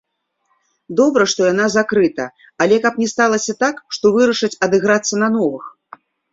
Добра, што яна закрыта, але, каб не сталася так, што вырашаць адыграцца на новых.